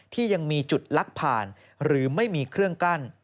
ที่ยังมีจุดลักผ่านหรือไม่มีเครื่องกั้น